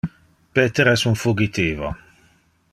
Peter es un fugitivo.